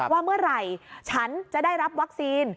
ว่าเมื่อไหร่ฉันจะได้รับวัคซีน